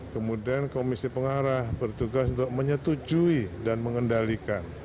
kemudian komisi pengarah bertugas untuk menyetujui dan mengendalikan